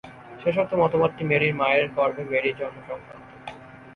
শেষোক্ত মতবাদটি, মেরির মায়ের গর্ভে মেরির জন্ম-সংক্রান্ত।